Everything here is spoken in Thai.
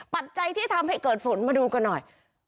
ปัจจัยที่ทำให้เกิดฝนมาดูกันหน่อย